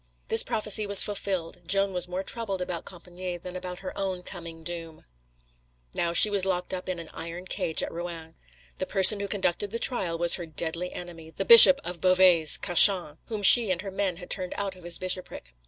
This prophecy was fulfilled. Joan was more troubled about Compičgne than about her own coming doom. She was now locked up in an iron cage at Rouen. The person who conducted the trial was her deadly enemy, the Bishop of Beauvais, Cauchon, whom she and her men had turned out of his bishopric.